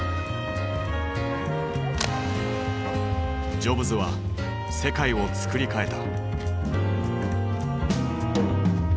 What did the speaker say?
ジョブズは世界をつくり替えた。